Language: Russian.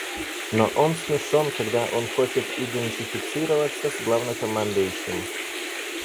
Но он смешон, когда он хочет идентифицироваться с главнокомандующим.